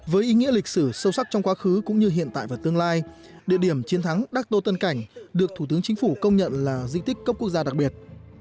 với ý nghĩa lịch sử sâu sắc trong quá khứ cũng như hiện tại và tương lai địa điểm chiến thắng đắc tô tân cảnh được thủ tướng chính phủ công nhận là di tích cấp quốc gia đặc biệt